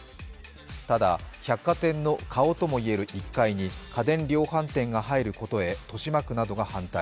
ただ百貨店の顔ともいえる１階に家電量販店が入ることへ豊島区などが反対。